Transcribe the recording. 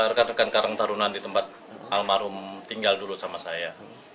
rekan rekan karang tarunan di tempat almarhum tinggal dulu sama saya